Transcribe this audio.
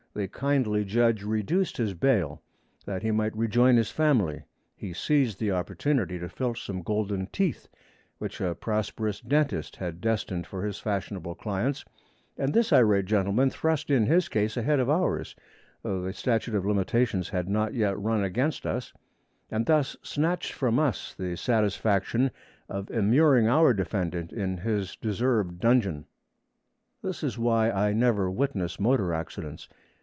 The kindly judge reduced his bail, that he might rejoin his family; he seized the opportunity to filch some golden teeth, which a prosperous dentist had destined for his fashionable clients, and this irate gentleman thrust in his case ahead of ours (though the Statute of Limitations had not yet run against us) and thus snatched from us the satisfaction of immuring our defendant in his deserved dungeon. This is why I never witness motor accidents.